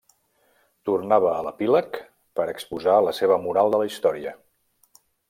Tornava a l’epíleg per exposar la seva moral de la història.